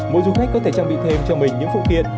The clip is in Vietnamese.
mỗi du khách có thể trang bị thêm cho mình những phụ kiện